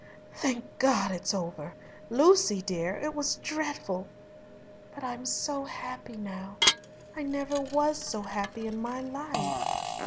"Thank God it is over! Lucy, dear, it was dreadful!" "But I'm so happy now. I never was so happy in my life."